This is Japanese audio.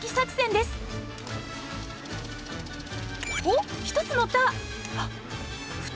おっ１つのった！